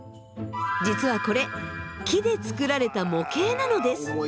実はこれ木で造られた模型なのです。